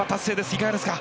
いかがですか？